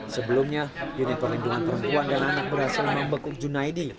sebelumnya unit perlindungan perempuan dan anak berhasil membekuk junaidi